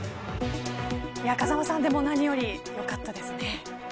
風間さん何よりよかったですね。